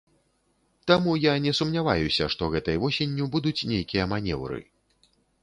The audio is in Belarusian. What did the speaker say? Таму я не сумняваюся, што гэтай восенню будуць нейкія манеўры.